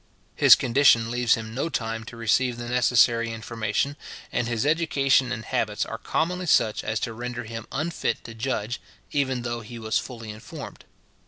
His condition leaves him no time to receive the necessary information, and his education and habits are commonly such as to render him unfit to judge, even though he was fully informed.